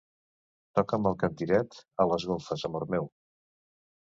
Toca'm el cantiret a les golfes, amor meu.